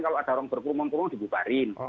kalau ada orang berkurung kurung dibubarin